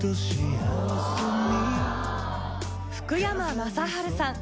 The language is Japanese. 福山雅治さん。